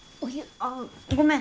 ああごめん。